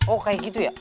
oh kayak gitu ya